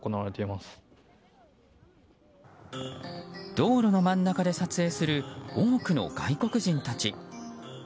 道路の真ん中で撮影する多くの外国人たち。